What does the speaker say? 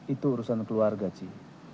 itu urusan keluarga cik